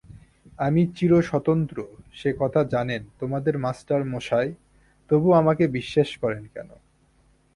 আমি চিরস্বতন্ত্র, সে-কথা জানেন তোমাদের মাস্টারমশায়, তবু আমাকে বিশ্বাস করেন কেন?